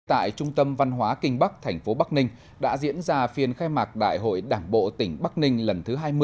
tại trung tâm văn hóa kinh bắc thành phố bắc ninh đã diễn ra phiên khai mạc đại hội đảng bộ tỉnh bắc ninh lần thứ hai mươi